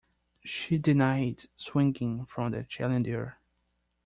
She denied swinging from the chandelier.